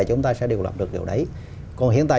chúng ta sẽ đều làm được điều đấy còn hiện tại